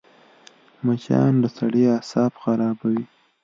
مچان د سړي اعصاب خرابوي